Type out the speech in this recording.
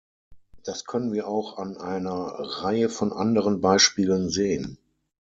Das können wir auch an einer Reihe von anderen Beispielen sehen.